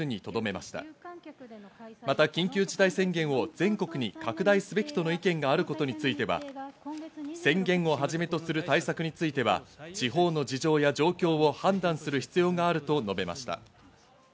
また、緊急事態宣言を全国に拡大すべきとの意見があることについては宣言をはじめとする対策については、地方の事情や状況を判断する必要があると述べました。